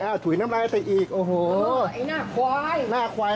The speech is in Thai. ถุยอ้าวถุยน้ำลายตัวอีกโอ้โหไอ้หน้าควายหน้าควาย